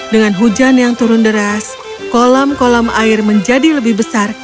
dengan hujan yang turun deras kolam kolam air menjadi lebih besar